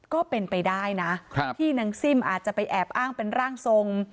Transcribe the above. ก็เป็นไปได้นะที่นางซิ่มอาจจะไปแอบอ้างเป็นร่างทรง